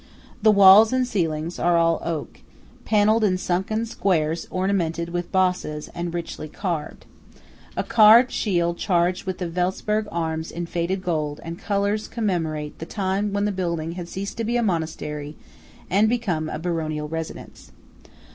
The walls and ceiling are all oak, panelled in sunk squares ornamented with bosses and richly carved. A carved shield charged with the Welsperg arms in faded gold and colours commemorates the time when the building had ceased to be a monastery and become a baronial residence.